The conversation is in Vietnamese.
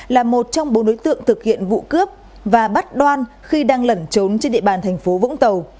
là một trong bốn đối tượng thực hiện vụ cướp và bắt đoan khi đang lẩn trốn trên địa bàn thành phố vũng tàu